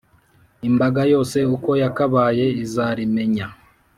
Imbaga yose uko yakabaye izarimenya,